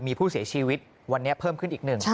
มีผู้เสียชีวิตวันนี้เพิ่มขึ้นอีกหนึ่ง